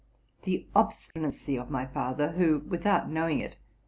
The obstinacy of* my father, who, without knowing it.